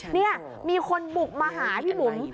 นี่มีคนบุกมาหาพี่บุ๋ม